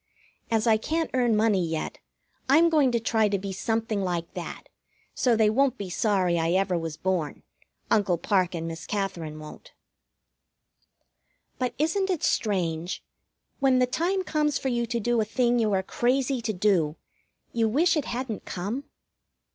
As I can't earn money yet, I'm going to try to be something like that, so they won't be sorry I ever was born. Uncle Parke and Miss Katherine won't. But isn't it strange, when the time comes for you to do a thing you are crazy to do, you wish it hadn't come?